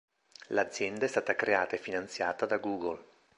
L'azienda è stata creata e finanziata da Google.